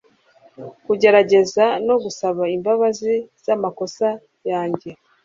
Kugerageza no gusaba imbabazi z'amakosa yanjye